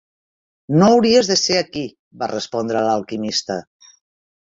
"No hauries de ser aquí", va respondre l'alquimista.